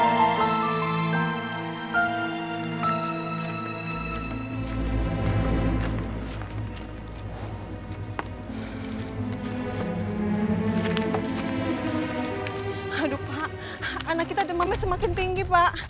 aduh pak anak kita demamnya semakin tinggi pak